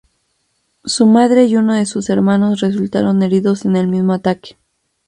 Su madre y uno de sus hermanos resultaron heridos en el mismo ataque.